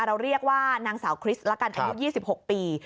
เราเรียกว่านางสาวคริสต์ละกันอายุ๒๖ปี